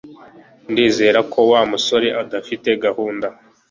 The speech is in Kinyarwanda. Ndizera ko Wa musore adafite gahunda